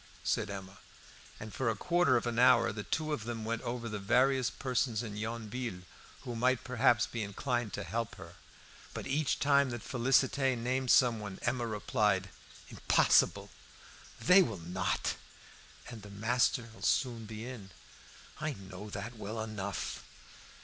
said Emma. And for a quarter of an hour the two of them went over the various persons in Yonville who might perhaps be inclined to help her. But each time that Félicité named someone Emma replied "Impossible! they will not!" "And the master'll soon be in." "I know that well enough.